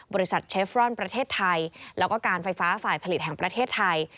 เชฟเชฟรอนประเทศไทยแล้วก็การไฟฟ้าฝ่ายผลิตแห่งประเทศไทย